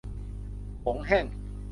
โขงแห้ง